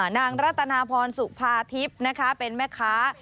นางรัตนาพรสุภาทิพย์นะคะเป็นแม่ค้า